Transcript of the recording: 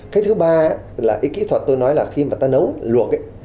cái thứ ba là cái kỹ thuật tôi nói là khi mà ta nấu luộc ấy